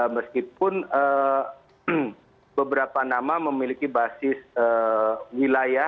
meskipun beberapa nama memiliki basis wilayah